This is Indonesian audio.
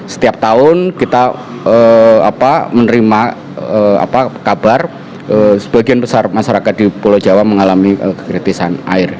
setiap tahun kita menerima kabar sebagian besar masyarakat di pulau jawa mengalami kekritisan air